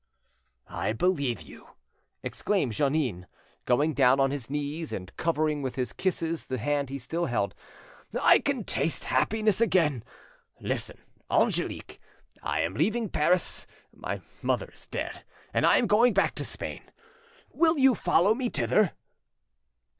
"I believe you!" exclaimed Jeannin, going down on his knees and covering with his kisses the hand he still held. "I can taste happiness again. Listen, Angelique. I am leaving Paris; my mother is dead, and I am going back to Spain. Will you follow me thither?"